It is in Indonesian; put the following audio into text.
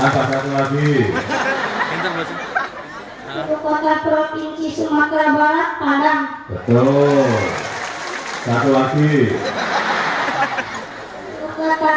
kota kota provinsi sumatera barat padang